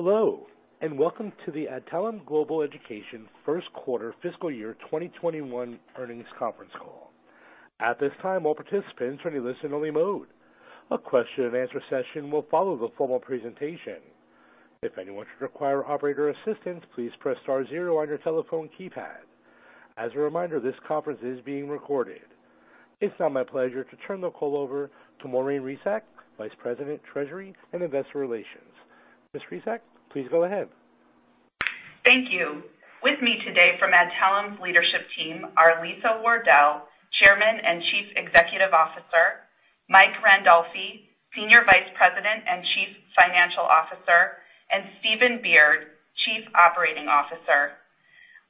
Hello, and welcome to the Adtalem Global Education first quarter fiscal year 2021 earnings conference call. It's now my pleasure to turn the call over to Maureen Resac, Vice President, Treasury, and Investor Relations. Ms. Resac, please go ahead. Thank you. With me today from Adtalem's leadership team are Lisa Wardell, Chairman and Chief Executive Officer, Mike Randolfi, Senior Vice President and Chief Financial Officer, and Stephen Beard, Chief Operating Officer.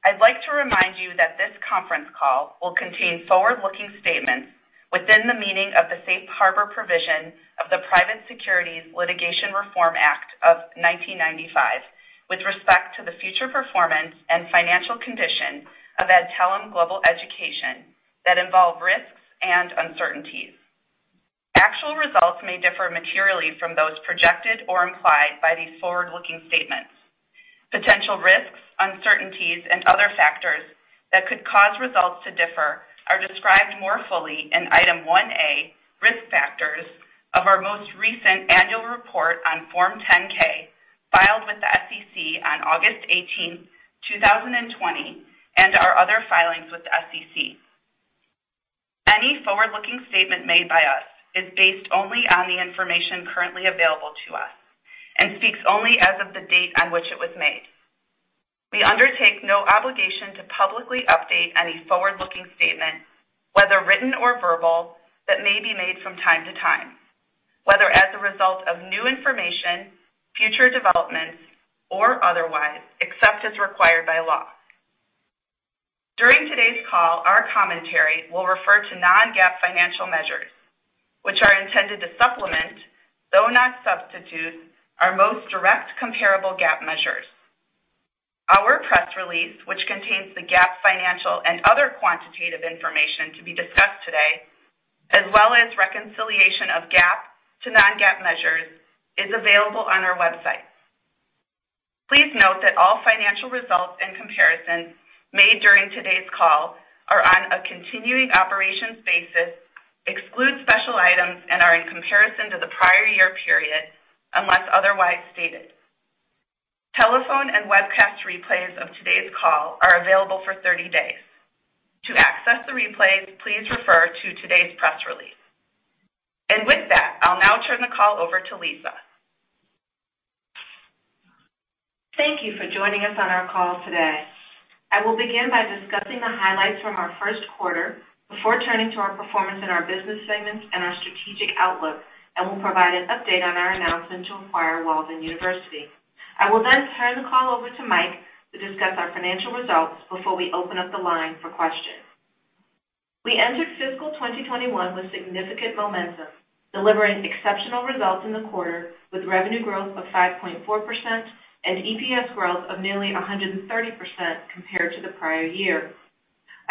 I'd like to remind you that this conference call will contain forward-looking statements within the meaning of the safe harbor provision of the Private Securities Litigation Reform Act of 1995, with respect to the future performance and financial condition of Adtalem Global Education that involve risks and uncertainties. Actual results may differ materially from those projected or implied by these forward-looking statements. Potential risks, uncertainties, and other factors that could cause results to differ are described more fully in item 1A, risk factors, of our most recent annual report on Form 10-K, filed with the SEC on August 18, 2020, and our other filings with the SEC. Any forward-looking statement made by us is based only on the information currently available to us and speaks only as of the date on which it was made. We undertake no obligation to publicly update any forward-looking statement, whether written or verbal, that may be made from time to time, whether as a result of new information, future developments, or otherwise, except as required by law. During today's call, our commentary will refer to non-GAAP financial measures, which are intended to supplement, though not substitute, our most direct comparable GAAP measures. Our press release, which contains the GAAP financial and other quantitative information to be discussed today, as well as reconciliation of GAAP to non-GAAP measures, is available on our website. Please note that all financial results and comparisons made during today's call are on a continuing operations basis, exclude special items, and are in comparison to the prior year period, unless otherwise stated. Telephone and webcast replays of today's call are available for 30 days. To access the replays, please refer to today's press release. With that, I'll now turn the call over to Lisa. Thank you for joining us on our call today. I will begin by discussing the highlights from our first quarter before turning to our performance in our business segments and our strategic outlook, and will provide an update on our announcement to acquire Walden University. I will then turn the call over to Mike to discuss our financial results before we open up the line for questions. We entered fiscal 2021 with significant momentum, delivering exceptional results in the quarter, with revenue growth of 5.4% and EPS growth of nearly 130% compared to the prior year.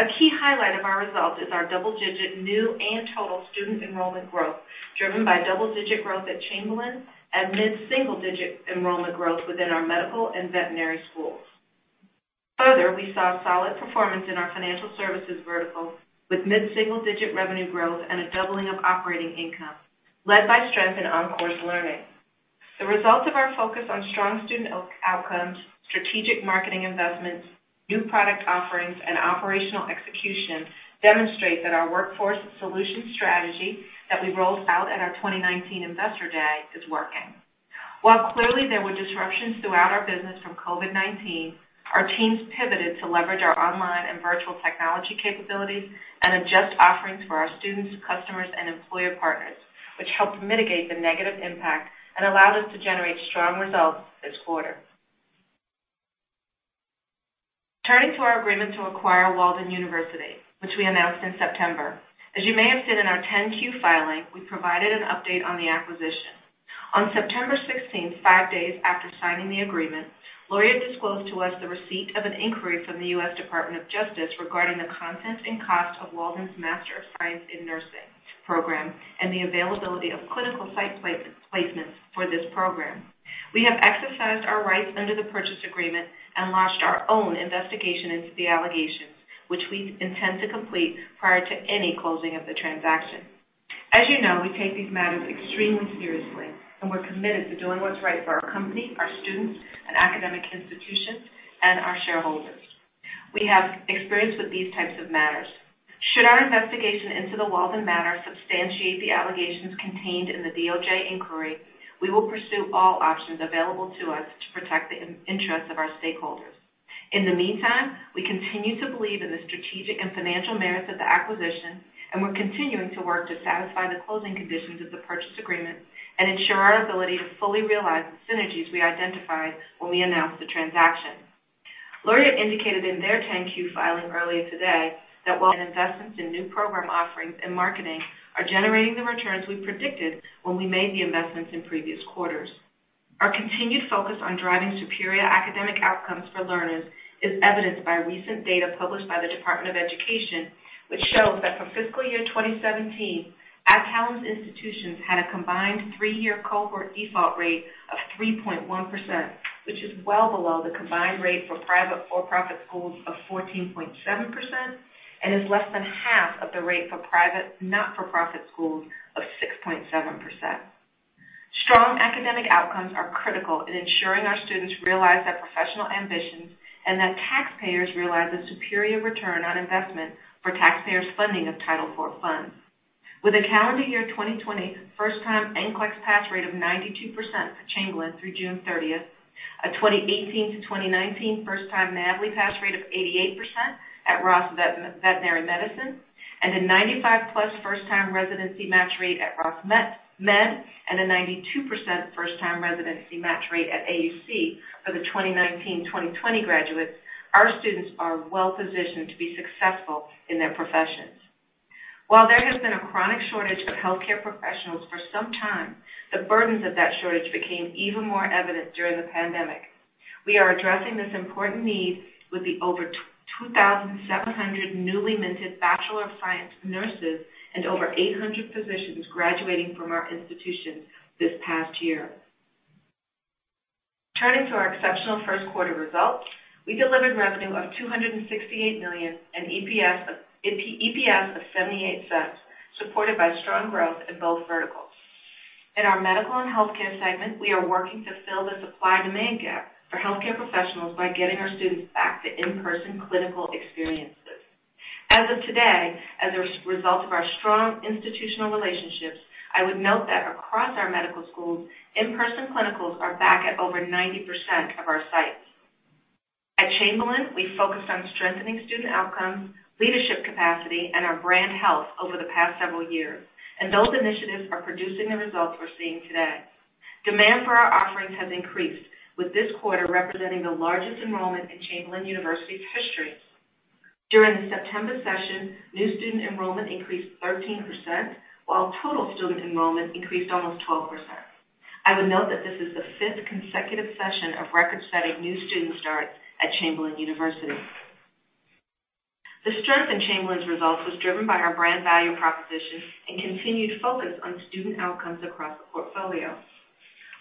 A key highlight of our results is our double-digit new and total student enrollment growth, driven by double-digit growth at Chamberlain and mid-single-digit enrollment growth within our medical and veterinary schools. We saw solid performance in our financial services vertical, with mid-single-digit revenue growth and a doubling of operating income, led by strength in OnCourse Learning. The results of our focus on strong student outcomes, strategic marketing investments, new product offerings, and operational execution demonstrate that our workforce solutions strategy that we rolled out at our 2019 Investor Day is working. Clearly there were disruptions throughout our business from COVID-19, our teams pivoted to leverage our online and virtual technology capabilities and adjust offerings for our students, customers, and employer partners, which helped mitigate the negative impact and allowed us to generate strong results this quarter. Turning to our agreement to acquire Walden University, which we announced in September. As you may have seen in our 10-Q filing, we provided an update on the acquisition. On September 16th, five days after signing the agreement, Laureate disclosed to us the receipt of an inquiry from the U.S. Department of Justice regarding the content and cost of Walden's Master of Science in Nursing program and the availability of clinical site placements for this program. We have exercised our rights under the purchase agreement and launched our own investigation into the allegations, which we intend to complete prior to any closing of the transaction. As you know, we take these matters extremely seriously. We're committed to doing what's right for our company, our students, and academic institutions, and our shareholders. We have experience with these types of matters. Should our investigation into the Walden matter substantiate the allegations contained in the DOJ inquiry, we will pursue all options available to us to protect the interests of our stakeholders. In the meantime, we continue to believe in the strategic and financial merits of the acquisition, and we're continuing to work to satisfy the closing conditions of the purchase agreement and ensure our ability to fully realize the synergies we identified when we announced the transaction. Laureate indicated in their 10-Q filing earlier today that while investments in new program offerings and marketing are generating the returns we predicted when we made the investments in previous quarters. Our continued focus on driving superior academic outcomes for learners is evidenced by recent data published by the U.S. Department of Education, which shows that for fiscal year 2017, Adtalem's institutions had a combined three-year cohort default rate of 3.1%, which is well below the combined rate for private for-profit schools of 14.7% and is less than half of the rate for private, not-for-profit schools of 6.7%. Strong academic outcomes are critical in ensuring our students realize their professional ambitions and that taxpayers realize a superior return on investment for taxpayers funding of Title IV funds. With a calendar year 2020 first-time NCLEX pass rate of 92% for Chamberlain University through June 30th, a 2018 to 2019 first-time NAVLE pass rate of 88% at Ross University School of Veterinary Medicine, and a 95-plus first-time residency match rate at Ross University School of Medicine, and a 92% first-time residency match rate at American University of the Caribbean School of Medicine for the 2019/2020 graduates, our students are well-positioned to be successful in their professions. While there has been a chronic shortage of healthcare professionals for some time, the burdens of that shortage became even more evident during the pandemic. We are addressing this important need with the over 2,700 newly minted Bachelor of Science nurses and over 800 physicians graduating from our institutions this past year. Turning to our exceptional first quarter results, we delivered revenue of $268 million and EPS of $0.78, supported by strong growth in both verticals. In our medical and healthcare segment, we are working to fill the supply-demand gap for healthcare professionals by getting our students back to in-person clinical experiences. As of today, as a result of our strong institutional relationships, I would note that across our medical schools, in-person clinicals are back at over 90% of our sites. At Chamberlain, we focused on strengthening student outcomes, leadership capacity, and our brand health over the past several years, and those initiatives are producing the results we're seeing today. Demand for our offerings has increased, with this quarter representing the largest enrollment in Chamberlain University's history. During the September session, new student enrollment increased 13%, while total student enrollment increased almost 12%. I would note that this is the fifth consecutive session of record-setting new student starts at Chamberlain University. The strength in Chamberlain's results was driven by our brand value proposition and continued focus on student outcomes across the portfolio.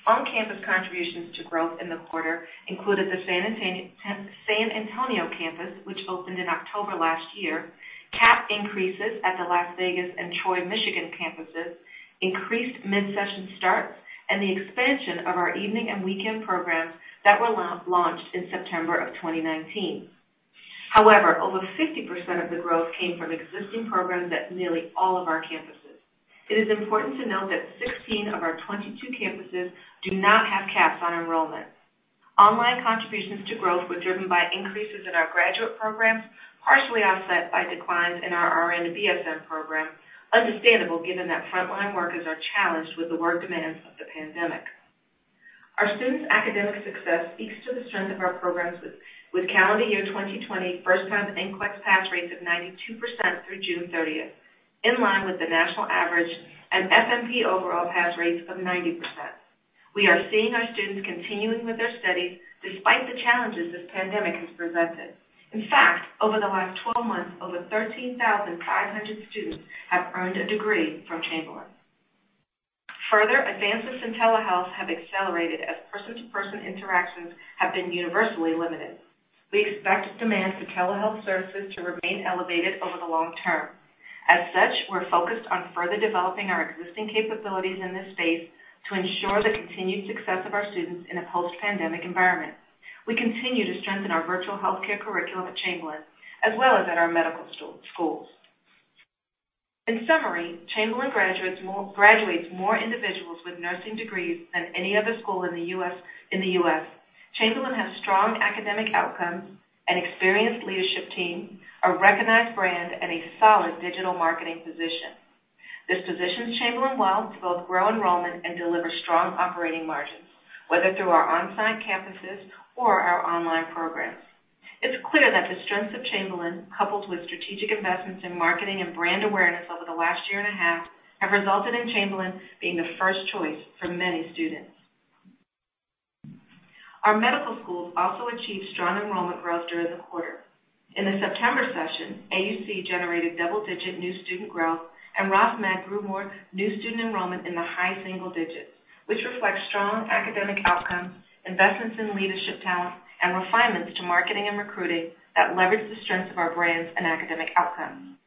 On-campus contributions to growth in the quarter included the San Antonio campus, which opened in October last year, cap increases at the Las Vegas and Troy, Michigan campuses, increased mid-session starts, and the expansion of our evening and weekend programs that were launched in September of 2019. Over 50% of the growth came from existing programs at nearly all of our campuses. It is important to note that 16 of our 22 campuses do not have caps on enrollment. Online contributions to growth were driven by increases in our graduate programs, partially offset by declines in our RN to BSN program, understandable given that frontline workers are challenged with the work demands of the pandemic. Our students' academic success speaks to the strength of our programs with calendar year 2020 first-time NCLEX pass rates of 92% through June 30th, in line with the national average, and FNP overall pass rates of 90%. We are seeing our students continuing with their studies despite the challenges this pandemic has presented. In fact, over the last 12 months, over 13,500 students have earned a degree from Chamberlain. Advances in telehealth have accelerated as person-to-person interactions have been universally limited. We expect demand for telehealth services to remain elevated over the long term. As such, we're focused on further developing our existing capabilities in this space to ensure the continued success of our students in a post-pandemic environment. We continue to strengthen our virtual healthcare curriculum at Chamberlain, as well as at our medical schools. In summary, Chamberlain graduates more individuals with nursing degrees than any other school in the U.S. Chamberlain has strong academic outcomes, an experienced leadership team, a recognized brand, and a solid digital marketing position. This positions Chamberlain well to both grow enrollment and deliver strong operating margins, whether through our on-site campuses or our online programs. It's clear that the strength of Chamberlain, coupled with strategic investments in marketing and brand awareness over the last year and a half, have resulted in Chamberlain being the first choice for many students. Our medical schools also achieved strong enrollment growth during the quarter. In the September session, AUC generated double-digit new student growth, and Ross Med grew more new student enrollment in the high single digits, which reflects strong academic outcomes, investments in leadership talent, and refinements to marketing and recruiting that leverage the strength of our brands and academic outcomes.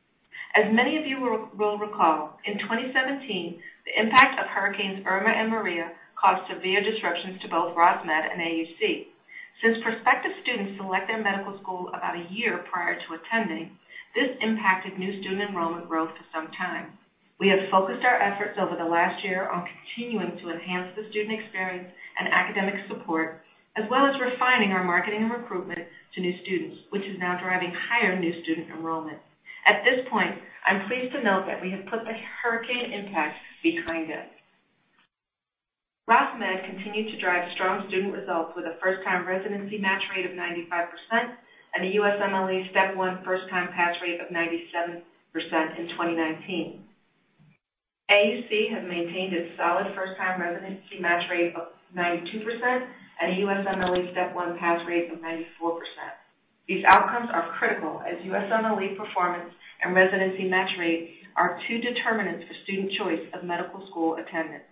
As many of you will recall, in 2017, the impact of hurricanes Irma and Maria caused severe disruptions to both Ross Med and AUC. Since prospective students select their medical school about a year prior to attending, this impacted new student enrollment growth for some time. We have focused our efforts over the last year on continuing to enhance the student experience and academic support, as well as refining our marketing and recruitment to new students, which is now driving higher new student enrollment. At this point, I'm pleased to note that we have put the hurricane impact behind us. Ross Med continued to drive strong student results with a first-time residency match rate of 95% and a USMLE Step one first-time pass rate of 97% in 2019. AUC has maintained its solid first-time residency match rate of 92% and a USMLE Step one pass rate of 94%. These outcomes are critical as USMLE performance and residency match rates are two determinants for student choice of medical school attendance.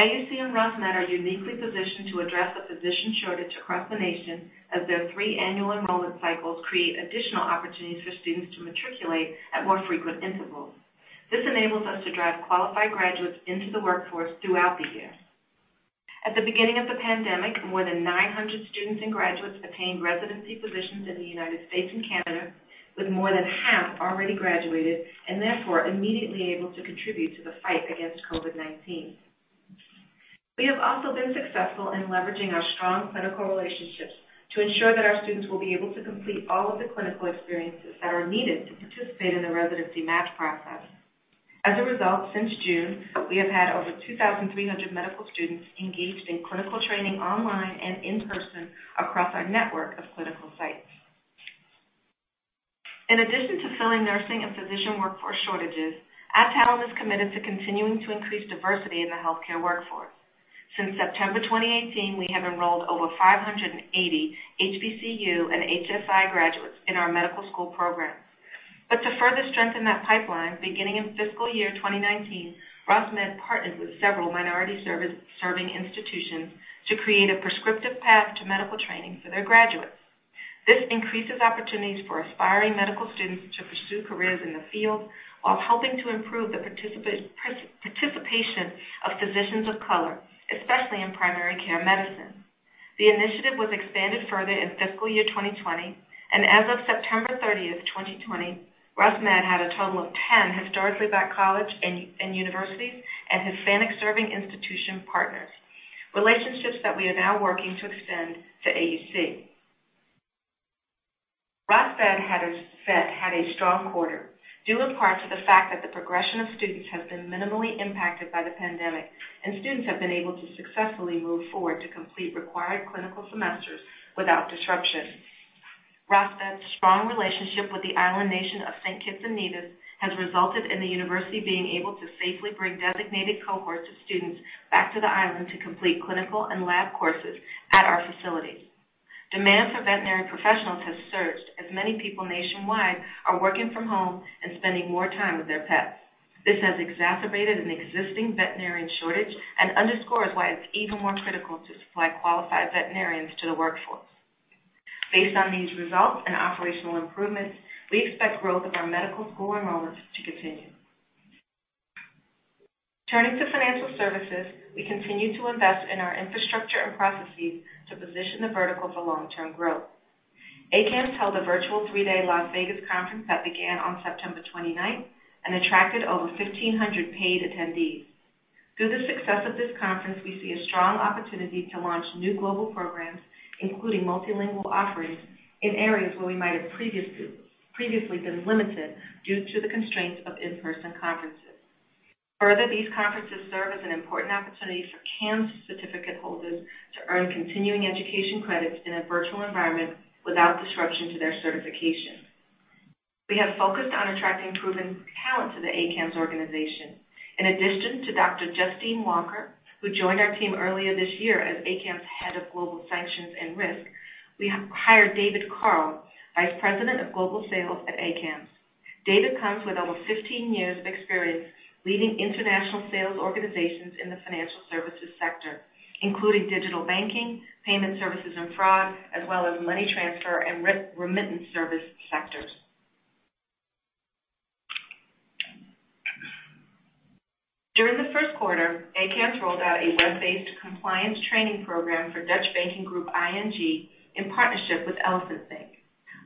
AUC and Ross Med are uniquely positioned to address the physician shortage across the nation as their three annual enrollment cycles create additional opportunities for students to matriculate at more frequent intervals. This enables us to drive qualified graduates into the workforce throughout the year. At the beginning of the pandemic, more than 900 students and graduates obtained residency positions in the United States and Canada, with more than half already graduated and therefore immediately able to contribute to the fight against COVID-19. We have also been successful in leveraging our strong clinical relationships to ensure that our students will be able to complete all of the clinical experiences that are needed to participate in the residency match process. As a result, since June, we have had over 2,300 medical students engaged in clinical training online and in person across our network of clinical sites. In addition to filling nursing and physician workforce shortages, Adtalem is committed to continuing to increase diversity in the healthcare workforce. Since September 2018, we have enrolled over 580 HBCU and HSI graduates in our medical school programs. To further strengthen that pipeline, beginning in fiscal year 2019, Ross Med partnered with several minority-serving institutions to create a prescriptive path to medical training for their graduates. This increases opportunities for aspiring medical students to pursue careers in the field while helping to improve the participation of physicians of color, especially in primary care medicine. The initiative was expanded further in fiscal year 2020, and as of September 30th, 2020, Ross Med had a total of 10 Historically Black College and University and Hispanic-Serving Institution partners, relationships that we are now working to extend to AUC. Ross Med had a strong quarter, due in part to the fact that the progression of students has been minimally impacted by the pandemic and students have been able to successfully move forward to complete required clinical semesters without disruption. Ross Med's strong relationship with the island nation of Saint Kitts and Nevis has resulted in the university being able to safely bring designated cohorts of students back to the island to complete clinical and lab courses at our facilities. Demand for veterinary professionals has surged as many people nationwide are working from home and spending more time with their pets. This has exacerbated an existing veterinarian shortage and underscores why it's even more critical to supply qualified veterinarians to the workforce. Turning to financial services, we continue to invest in our infrastructure and processes to position the vertical for long-term growth. ACAMS held a virtual three-day Las Vegas conference that began on September 29th and attracted over 1,500 paid attendees. Through the success of this conference, we see a strong opportunity to launch new global programs, including multilingual offerings in areas where we might have previously been limited due to the constraints of in-person conferences. Further, these conferences serve as an important opportunity for CAMS certificate holders to earn continuing education credits in a virtual environment without disruption to their certification. We have focused on attracting proven talent to the ACAMS organization. In addition to Dr. Justine Walker, who joined our team earlier this year as ACAMS Head of Global Sanctions and Risk, we have hired David Carl, Vice President of Global Sales at ACAMS. David comes with over 15 years of experience leading international sales organizations in the financial services sector, including digital banking, payment services and fraud, as well as money transfer and remittance service sectors. During the first quarter, ACAMS rolled out a web-based compliance training program for Dutch banking group ING in partnership with Elephint Bank.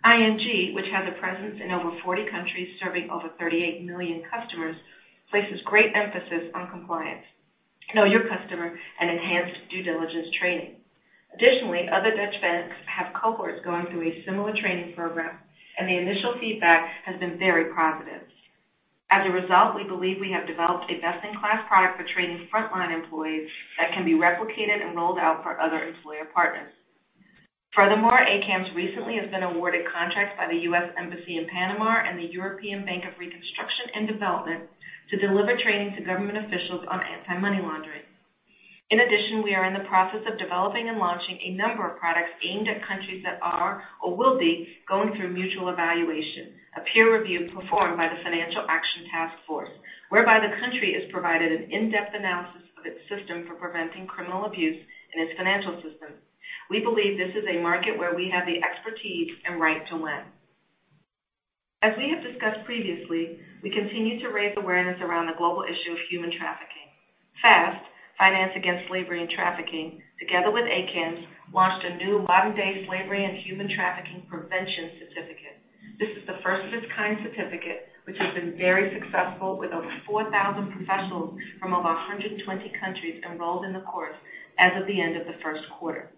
ING, which has a presence in over 40 countries, serving over 38 million customers, places great emphasis on compliance, know your customer, and enhanced due diligence training. Additionally, other Dutch banks have cohorts going through a similar training program, and the initial feedback has been very positive. As a result, we believe we have developed a best-in-class product for training frontline employees that can be replicated and rolled out for other employer partners. Furthermore, ACAMS recently has been awarded contracts by the U.S. Embassy in Panama and the European Bank for Reconstruction and Development to deliver training to government officials on anti-money laundering. In addition, we are in the process of developing and launching a number of products aimed at countries that are or will be going through mutual evaluation, a peer review performed by the Financial Action Task Force, whereby the country is provided an in-depth analysis of its system for preventing criminal abuse in its financial systems. We believe this is a market where we have the expertise and right to win. As we have discussed previously, we continue to raise awareness around the global issue of human trafficking. FAST, Finance Against Slavery and Trafficking, together with ACAMS, launched a new modern-day slavery and human trafficking prevention certificate. This is the first of its kind certificate, which has been very successful with over 4,000 professionals from over 120 countries enrolled in the course as of the end of the first quarter.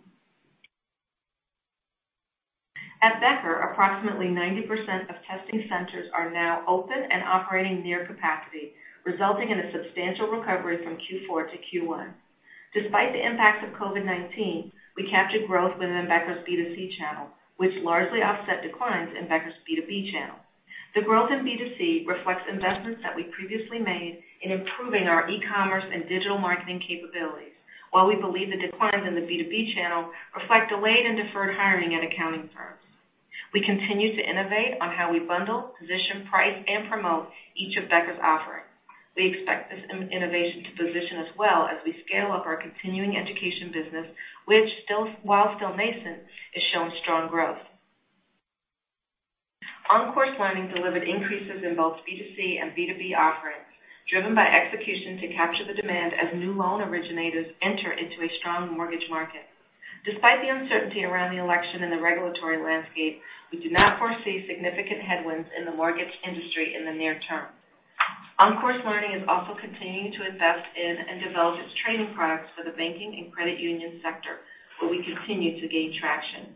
At Becker, approximately 90% of testing centers are now open and operating near capacity, resulting in a substantial recovery from Q4 to Q1. Despite the impacts of COVID-19, we captured growth within Becker's B2C channel, which largely offset declines in Becker's B2B channel. The growth in B2C reflects investments that we previously made in improving our e-commerce and digital marketing capabilities. We believe the declines in the B2B channel reflect delayed and deferred hiring at accounting firms. We continue to innovate on how we bundle, position, price, and promote each of Becker's offerings. We expect this innovation to position us well as we scale up our continuing education business, which while still nascent, has shown strong growth. OnCourse Learning delivered increases in both B2C and B2B offerings, driven by execution to capture the demand as new loan originators enter into a strong mortgage market. Despite the uncertainty around the election and the regulatory landscape, we do not foresee significant headwinds in the mortgage industry in the near term. OnCourse Learning is also continuing to invest in and develop its training products for the banking and credit union sector, where we continue to gain traction.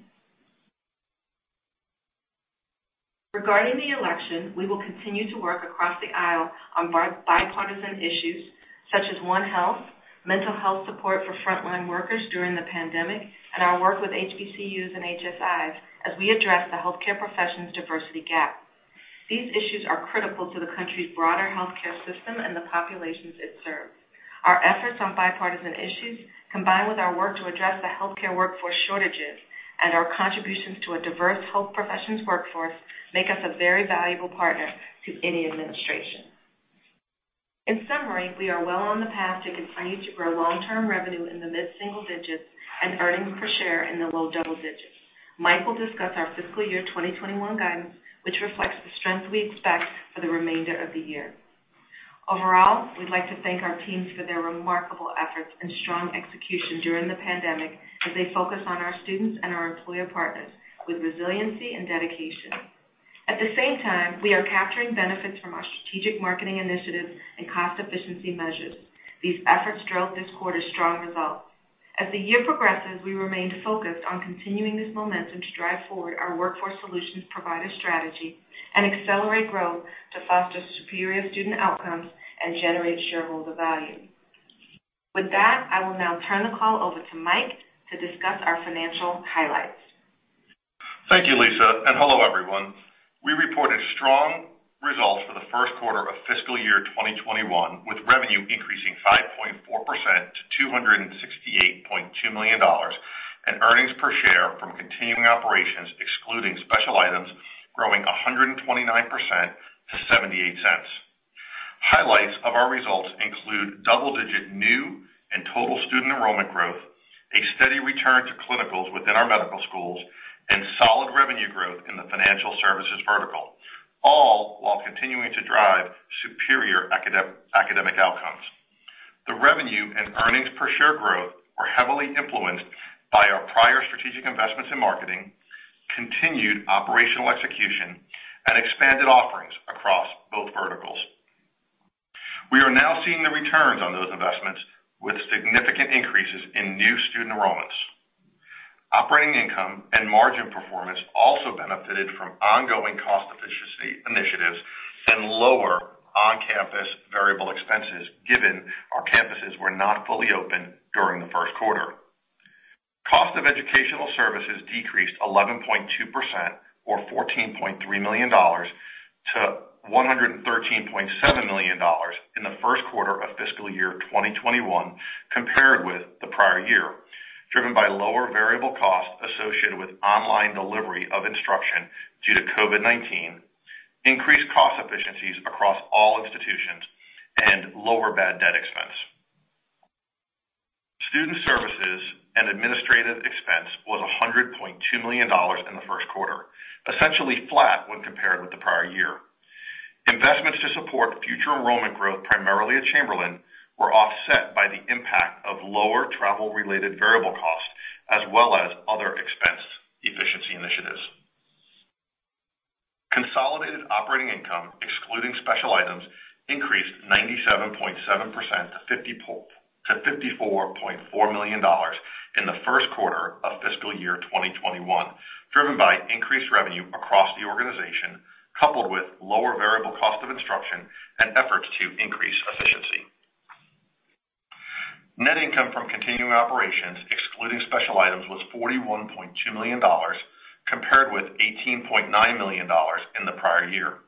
Regarding the election, we will continue to work across the aisle on bipartisan issues such as One Health, mental health support for frontline workers during the pandemic, and our work with HBCUs and HSIs as we address the healthcare professions diversity gap. These issues are critical to the country's broader healthcare system and the populations it serves. Our efforts on bipartisan issues, combined with our work to address the healthcare workforce shortages and our contributions to a diverse health professions workforce, make us a very valuable partner to any administration. In summary, we are well on the path to continue to grow long-term revenue in the mid-single digits and earnings per share in the low double digits. Mike will discuss our fiscal year 2021 guidance, which reflects the strength we expect for the remainder of the year. Overall, we'd like to thank our teams for their remarkable efforts and strong execution during the pandemic as they focus on our students and our employer partners with resiliency and dedication. At the same time, we are capturing benefits from our strategic marketing initiatives and cost efficiency measures. These efforts drove this quarter's strong results. As the year progresses, we remain focused on continuing this momentum to drive forward our Workforce Solutions provider strategy and accelerate growth to foster superior student outcomes and generate shareholder value. With that, I will now turn the call over to Mike to discuss our financial highlights. Thank you, Lisa, and hello, everyone. We reported strong results for the first quarter of fiscal year 2021, with revenue increasing 5.4% to $268.2 million and earnings per share from continuing operations excluding special items growing 129% to $0.78. Highlights of our results include double-digit new and total student enrollment growth, a steady return to clinicals within our medical schools, and solid revenue growth in the financial services vertical, all while continuing to drive superior academic outcomes. The revenue and earnings per share growth were heavily influenced by our prior strategic investments in marketing, continued operational execution, and expanded offerings across both verticals. We are now seeing the returns on those investments with significant increases in new student enrollments. Operating income and margin performance also benefited from ongoing cost efficiency initiatives and lower on-campus variable expenses, given our campuses were not fully open during the first quarter. Cost of educational services decreased 11.2%, or $14.3 million, to $113.7 million in the first quarter of fiscal year 2021, compared with the prior year, driven by lower variable costs associated with online delivery of instruction due to COVID-19, increased cost efficiencies across all institutions, and lower bad debt expense. Student services and administrative expense was $100.2 million in the first quarter, essentially flat when compared with the prior year. Investments to support future enrollment growth, primarily at Chamberlain, were offset by the impact of lower travel-related variable costs as well as other expense efficiency initiatives. Consolidated operating income, excluding special items, increased 97.7% to $54.4 million in the first quarter of fiscal year 2021, driven by increased revenue across the organization, coupled with lower variable cost of instruction and efforts to increase efficiency. Net income from continuing operations, excluding special items, was $41.2 million, compared with $18.9 million in the prior year.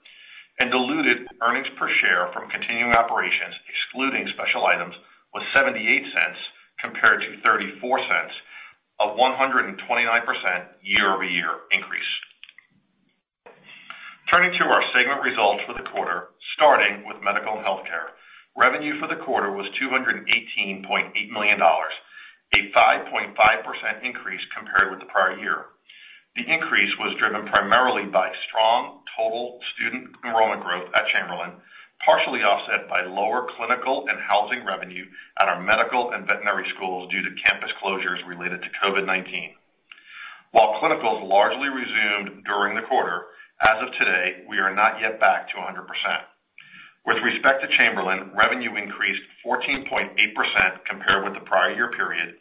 Diluted earnings per share from continuing operations, excluding special items, was $0.78 compared to $0.34, a 129% year-over-year increase. Turning to our segment results for the quarter, starting with medical and healthcare. Revenue for the quarter was $218.8 million, a 5.5% increase compared with the prior year. The increase was driven primarily by strong total student enrollment growth at Chamberlain, partially offset by lower clinical and housing revenue at our medical and veterinary schools due to campus closures related to COVID-19. While clinicals largely resumed during the quarter, as of today, we are not yet back to 100%. With respect to Chamberlain, revenue increased 14.8% compared with the prior year period,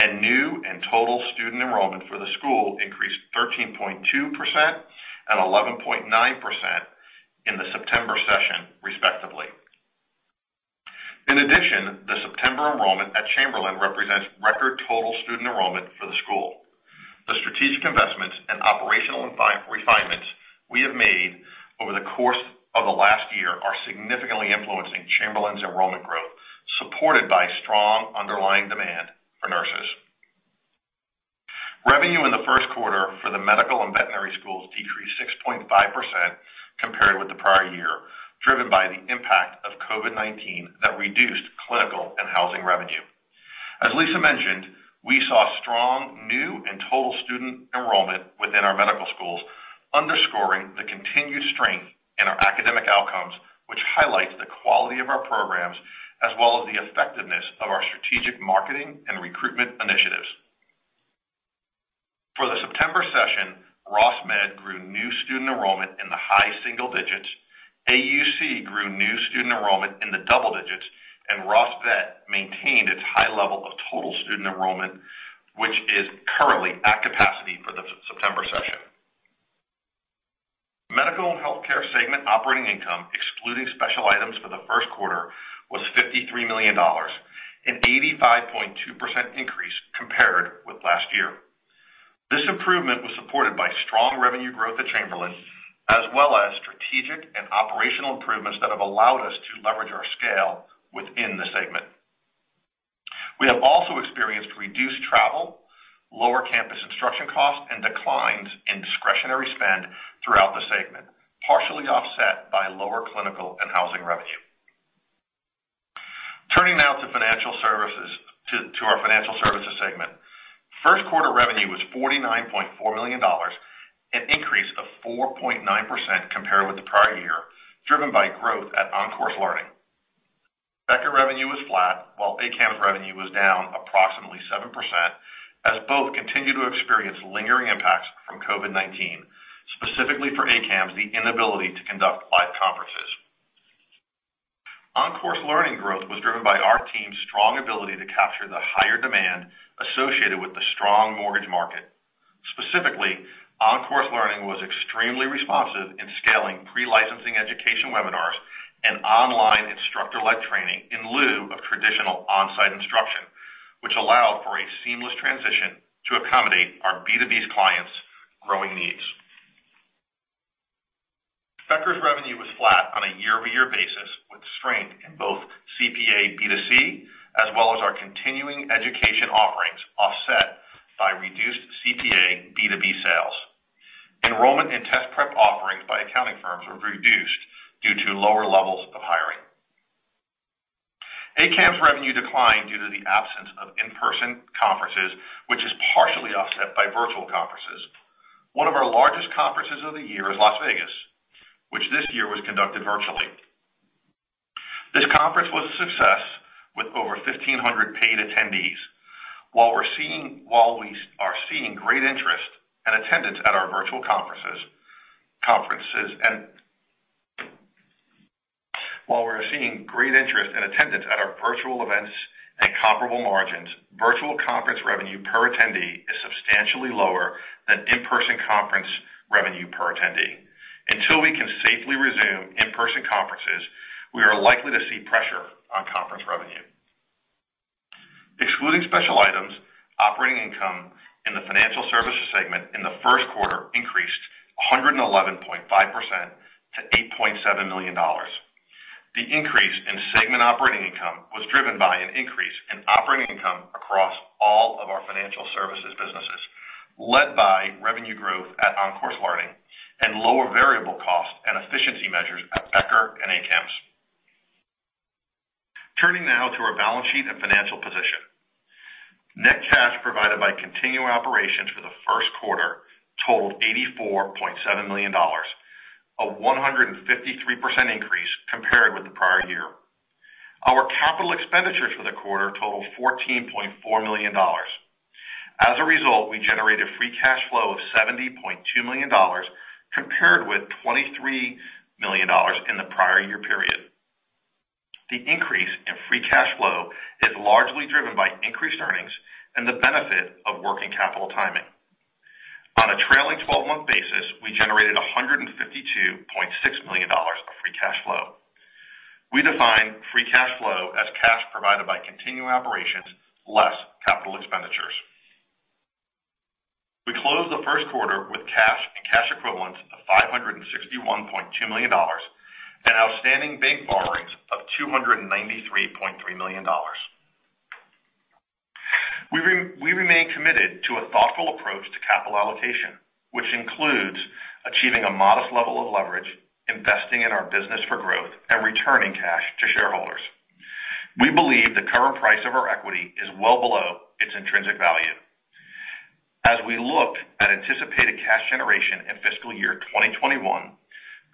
and new and total student enrollment for the school increased 13.2% and 11.9% in the September session, respectively. In addition, the September enrollment at Chamberlain represents record total student enrollment for the school. The strategic investments and operational refinements we have made over the course of the last year are significantly influencing Chamberlain's enrollment growth, supported by strong underlying demand for nurses. Revenue in the first quarter for the medical and veterinary schools decreased 6.5% compared with the prior year, driven by the impact of COVID-19 that reduced clinical and housing revenue. As Lisa mentioned, we saw strong new and total student enrollment within our medical schools, underscoring the continued strength in our academic outcomes, which highlights the quality of our programs, as well as the effectiveness of our strategic marketing and recruitment initiatives. For the September session, Ross Med grew new student enrollment in the high single digits, AUC grew new student enrollment in the double digits, and Ross Vet maintained its high level of total student enrollment, which is currently at capacity for the September session. Medical and healthcare segment operating income, excluding special items for the first quarter, was $53 million, an 85.2% increase compared with last year. This improvement was supported by strong revenue growth at Chamberlain, as well as strategic and operational improvements that have allowed us to leverage our scale within the segment. We have also experienced reduced travel, lower campus instruction costs, and declines in discretionary spend throughout the segment, partially offset by lower clinical and housing revenue. Turning now to our financial services segment. First quarter revenue was $49.4 million, an increase of 4.9% compared with the prior year, driven by growth at OnCourse Learning. Becker revenue was flat, while ACAMS revenue was down approximately 7%, as both continue to experience lingering impacts from COVID-19, specifically for ACAMS, the inability to conduct live conferences. OnCourse Learning growth was driven by our team's strong ability to capture the higher demand associated with the strong mortgage market. Specifically, OnCourse Learning was extremely responsive in scaling pre-licensing education webinars and online instructor-led training in lieu of traditional on-site instruction, which allowed for a seamless transition to accommodate our B2B clients' growing needs. Becker's revenue was flat on a year-over-year basis, with strength in both CPA B2C as well as our continuing education offerings, offset by reduced CPA B2B sales. Enrollment in test prep offerings by accounting firms were reduced due to lower levels of hiring. ACAMS revenue declined due to the absence of in-person conferences, which is partially offset by virtual conferences. One of our largest conferences of the year is Las Vegas, which this year was conducted virtually. This conference was a success, with over 1,500 paid attendees. While we are seeing great interest and attendance at our virtual events and comparable margins, virtual conference revenue per attendee is substantially lower than in-person conference revenue per attendee. Until we can safely resume in-person conferences, we are likely to see pressure on conference revenue. Excluding special items, operating income in the financial services segment in the first quarter increased 111.5% to $8.7 million. The increase in segment operating income was driven by an increase in operating income across all of our financial services businesses, led by revenue growth at OnCourse Learning and lower variable costs and efficiency measures at Becker and ACAMS. Turning now to our balance sheet and financial position. Net cash provided by continuing operations for the first quarter totaled $84.7 million, a 153% increase compared with the prior year. Our capital expenditures for the quarter totaled $14.4 million. As a result, we generated free cash flow of $70.2 million compared with $23 million in the prior year period. The increase in free cash flow is largely driven by increased earnings and the benefit of working capital timing. On a trailing 12-month basis, we generated $152.6 million of free cash flow. We define free cash flow as cash provided by continuing operations less capital expenditures. We closed the first quarter with cash and cash equivalents of $561.2 million and outstanding bank borrowings of $293.3 million. We remain committed to a thoughtful approach to capital allocation, which includes achieving a modest level of leverage, investing in our business for growth, and returning cash to shareholders. We believe the current price of our equity is well below its intrinsic value. As we look at anticipated cash generation in fiscal year 2021,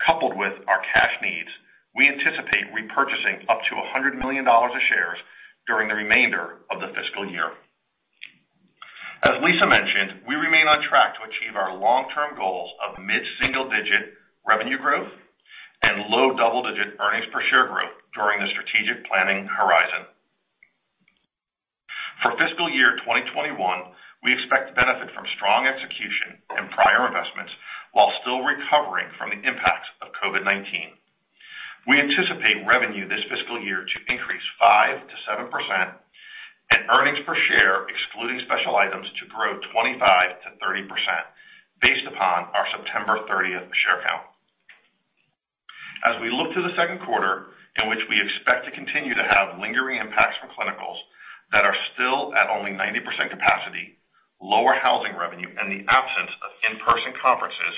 coupled with our cash needs, we anticipate repurchasing up to $100 million of shares during the remainder of the fiscal year. As Lisa mentioned, we remain on track to achieve our long-term goals of mid-single-digit revenue growth and low-double-digit earnings per share growth during the strategic planning horizon. For fiscal year 2021, we expect to benefit from strong execution and prior investments while still recovering from the impacts of COVID-19. We anticipate revenue this fiscal year to increase 5%-7%, and earnings per share, excluding special items, to grow 25%-30%, based upon our September 30th share count. As we look to the second quarter, in which we expect to continue to have lingering impacts from clinicals that are still at only 90% capacity, lower housing revenue, and the absence of in-person conferences,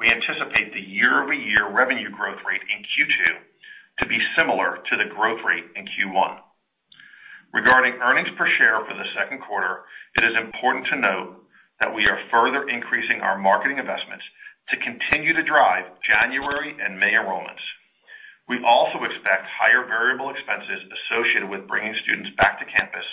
we anticipate the year-over-year revenue growth rate in Q2 to be similar to the growth rate in Q1. Regarding earnings per share for the second quarter, it is important to note that we are further increasing our marketing investments to continue to drive January and May enrollments. We also expect higher variable expenses associated with bringing students back to campus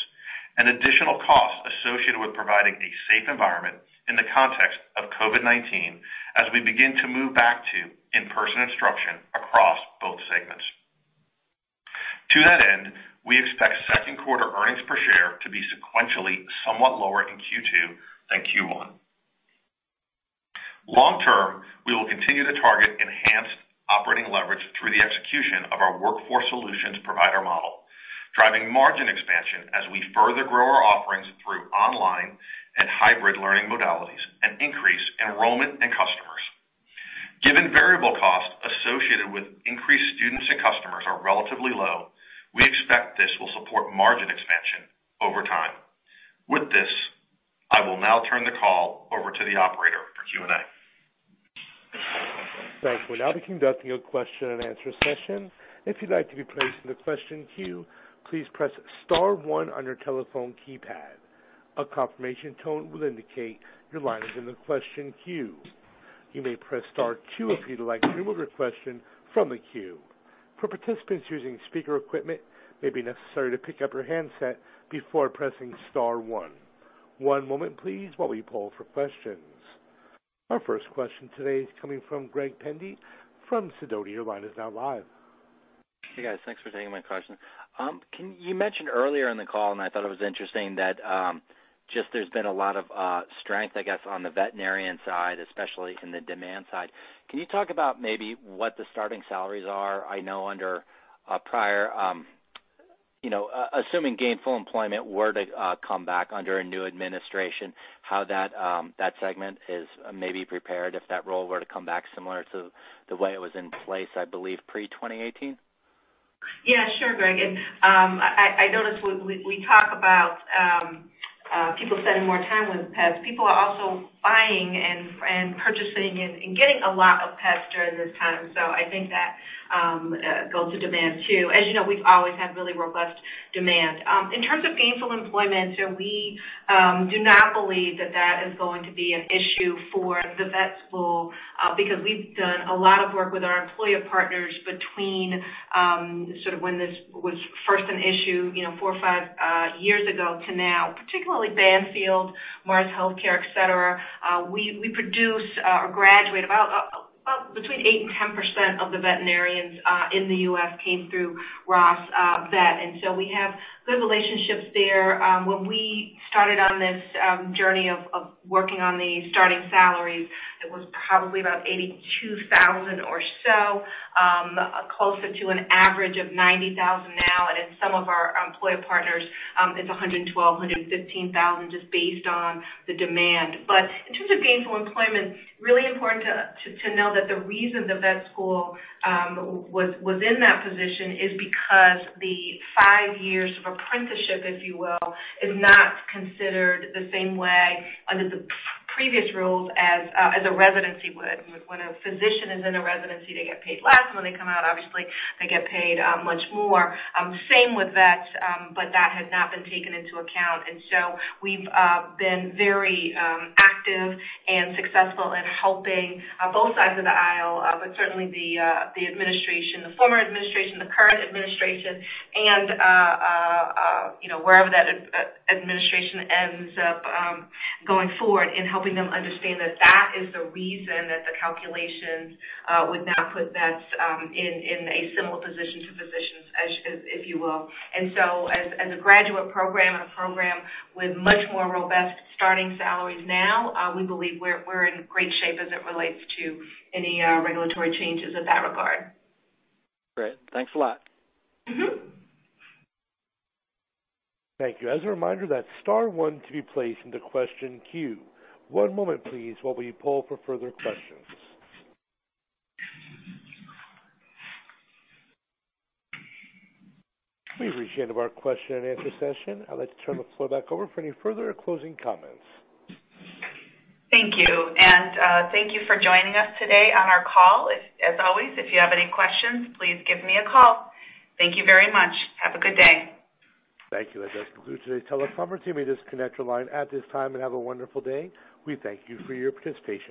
and additional costs associated with providing a safe environment in the context of COVID-19, as we begin to move back to in-person instruction across both segments. To that end, we expect second quarter earnings per share to be sequentially somewhat lower in Q2 than Q1. Long term, we will continue to target enhanced operating leverage through the execution of our workforce solutions provider model, driving margin expansion as we further grow our offerings through online and hybrid learning modalities and increase enrollment and customers. Given variable costs associated with increased students and customers are relatively low, we expect this will support margin expansion over time. With this, I will now turn the call over to the operator for Q&A. Our first question today is coming from Greg Pendy from Sidoti. Your line is now live. Hey, guys. Thanks for taking my question. You mentioned earlier in the call, and I thought it was interesting, that there's been a lot of strength, I guess, on the veterinarian side, especially in the demand side. Can you talk about maybe what the starting salaries are? Assuming Gainful Employment Rule were to come back under a new administration, how that segment is maybe prepared if that role were to come back similar to the way it was in place, I believe, pre-2018? Yeah, sure, Greg. I noticed we talk about people spending more time with pets. People are also buying and purchasing and getting a lot of pets during this time. I think that goes to demand, too. As you know, we've always had really robust demand. In terms of Gainful Employment, we do not believe that that is going to be an issue for the vet school because we've done a lot of work with our employer partners between when this was first an issue four or five years ago to now, particularly Banfield, Mars Veterinary Health, et cetera. We produce or graduate about between 8% and 10% of the veterinarians in the U.S. came through Ross Vet, we have good relationships there. When we started on this journey of working on the starting salaries, it was probably about $82,000 or so, closer to an average of $90,000 now. In some of our employer partners, it's $112,000, $115,000, just based on the demand. In terms of Gainful Employment, really important to know that the reason the vet school was in that position is because the five years of apprenticeship, if you will, is not considered the same way under the previous rules as a residency would. When a physician is in a residency, they get paid less. When they come out, obviously, they get paid much more. Same with vets, but that has not been taken into account. We've been very active and successful in helping both sides of the aisle, but certainly the former administration, the current administration, and wherever that administration ends up going forward in helping them understand that that is the reason that the calculations would now put vets in a similar position to physicians, if you will. As a graduate program and a program with much more robust starting salaries now, we believe we're in great shape as it relates to any regulatory changes in that regard. Great. Thanks a lot. Thank you. One moment, please, while we poll for further questions. We've reached the end of our question and answer session. I'd like to turn the floor back over for any further or closing comments. Thank you. Thank you for joining us today on our call. As always, if you have any questions, please give me a call. Thank you very much. Have a good day. Thank you. That does conclude today's teleconference. You may disconnect your line at this time and have a wonderful day. We thank you for your participation.